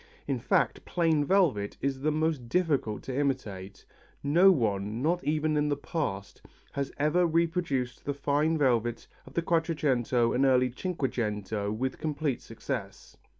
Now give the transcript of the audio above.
In fact plain velvet is the most difficult to imitate. No one, not even in the past, has ever reproduced the fine velvets of the Quattrocento and early Cinquecento with complete success.